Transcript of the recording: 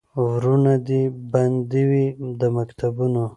ورونه دي بند وي د مکتبونو